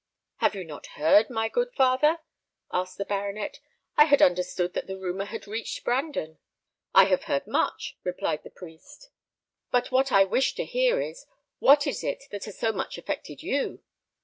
"Have you not heard, my good father?" asked the baronet. "I had understood that the rumour had reached Brandon." "I have heard much," replied the priest; "but what I wish to hear is, what it is that has so much affected you.